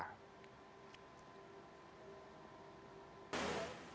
penyekatan lalu lintas